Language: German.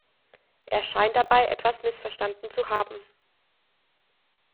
Er scheint da etwas missverstanden zu haben.